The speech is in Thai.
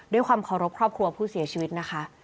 ด้วยความเคารพครอบครัวผู้เสียชีวิตนะคะ